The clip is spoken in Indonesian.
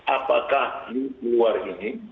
apakah lu keluar ini